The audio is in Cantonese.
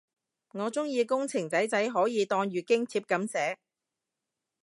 我鍾意工程仔仔可以當月經帖噉寫